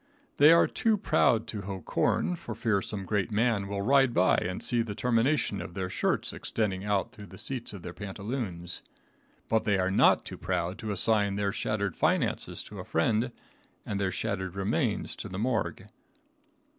They are too proud to hoe corn, for fear some great man will ride by and see the termination of their shirts extending out through the seats of their pantaloons, but they are not too proud to assign their shattered finances to a friend and their shattered remains to the morgue.